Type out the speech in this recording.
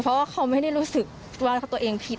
เพราะว่าเขาไม่ได้รู้สึกว่าตัวเองผิด